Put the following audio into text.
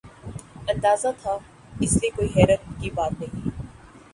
اندازہ تھا ، اس لئے کوئی حیرت کی بات نہیں ۔